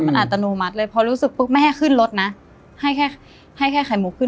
มันอัตโนมัติเลยพอรู้สึกปุ๊บไม่ให้ขึ้นรถนะให้แค่ให้แค่ไข่หมูขึ้น